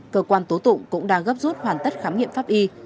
cơ quan tố tụng cũng đang gấp rút hoàn tất khám nghiệm pháp y